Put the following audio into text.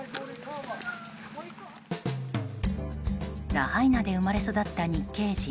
ラハイナで生まれ育った日系人